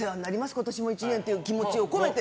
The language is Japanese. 今年も１年という気持ちを込めて。